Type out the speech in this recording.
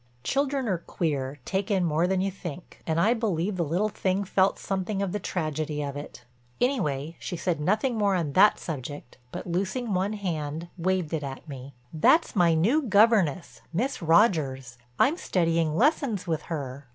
Children are queer, take in more than you think, and I believe the little thing felt something of the tragedy of it. Anyway she said nothing more on that subject, but loosing one hand, waved it at me. "That's my new governess, Miss Rogers. I'm studying lessons with her."